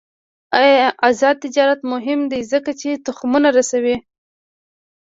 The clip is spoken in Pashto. آزاد تجارت مهم دی ځکه چې تخمونه رسوي.